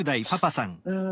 うん。